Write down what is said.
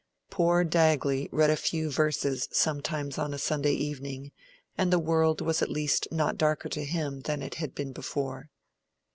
Poor Dagley read a few verses sometimes on a Sunday evening, and the world was at least not darker to him than it had been before.